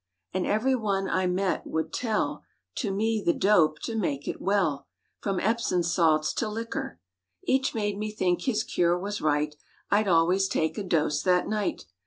And every one I met would tell To me the dope to make me well From epsom's salts to liquor. Each made me think his cure was right— I'd always take a dose that night.